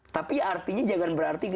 tapi artinya jangan berarti